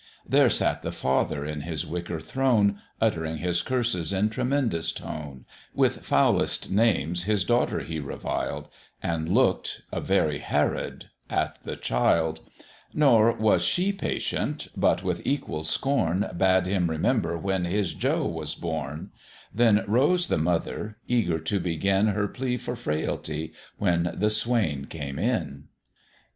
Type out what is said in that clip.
There sat the father in his wicker throne, Uttering his curses in tremendous tone: With foulest names his daughter he reviled, And look'd a very Herod at the child: Nor was she patient, but with equal scorn, Bade him remember when his Joe was born: Then rose the mother, eager to begin Her plea for frailty, when the swain came in.